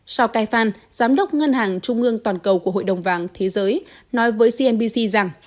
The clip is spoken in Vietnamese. sau caifan giám đốc ngân hàng trung ương toàn cầu của hội đồng vàng thế giới nói với cnbc rằng